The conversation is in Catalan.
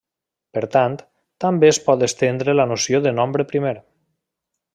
Per tant, també es pot estendre la noció de nombre primer.